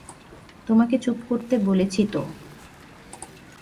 তোমাকে চুপ করতে বলেছি তো।